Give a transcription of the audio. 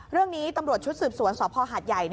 เรื่องนี้ตำรวจชุดสืบสวนสพหาดใหญ่